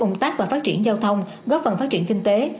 ung tác và phát triển giao thông góp phần phát triển kinh tế